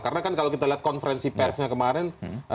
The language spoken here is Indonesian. karena kan kalau kita lihat konferensi persnya kemarin